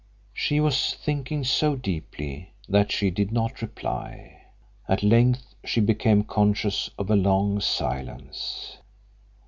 She was thinking so deeply that she did not reply. At length she became conscious of a long silence.